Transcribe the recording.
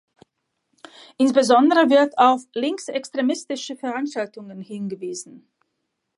Insbesondere wird auf linksextremistische Veranstaltungen hingewiesen“.